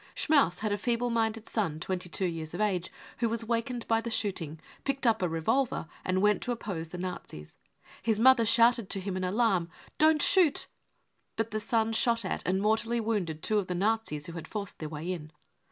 Schmaus had a feeble minded son twenty two years of age who was wakened by the shooting, picked up a revolver and went to oppose the Nazis. His mother shouted to him in alarm :" Don't shoot ! 99 But the son shot at and mortally wounded two of the Nazis who had forced their way in.